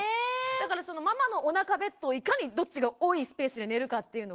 だからママのおなかベッドをいかにどっちが多いスペースで寝るかっていうのが。